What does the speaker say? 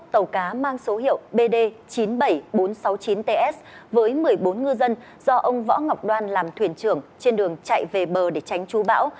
tàu cá mang số hiệu bd chín mươi bảy nghìn bốn trăm sáu mươi chín ts với một mươi bốn ngư dân do ông võ ngọc đoan làm thuyền trưởng trên đường chạy về bờ để tránh chú bão